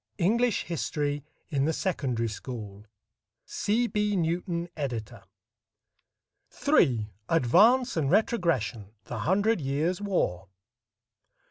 English History in the Secondary School C. B. NEWTON, Editor. III. ADVANCE AND RETROGRESSION; THE HUNDRED YEARS' WAR.